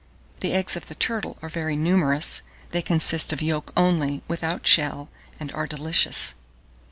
The eggs of the turtle are very numerous: they consist of yolk only, without shell, and are delicious.